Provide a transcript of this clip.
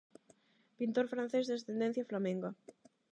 Pintor francés de ascendencia flamenga.